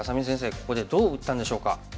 ここでどう打ったんでしょうか？